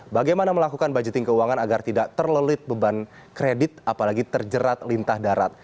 bagaimana melakukan budgeting keuangan agar tidak terlelit beban kredit apalagi terjerat lintah darat